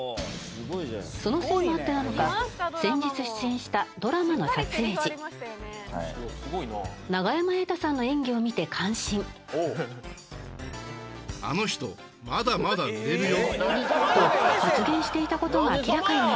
そのせいもあってなのか先日出演したドラマの撮影時永山瑛太さんの演技を見て感心。と発言していた事が明らかになりました。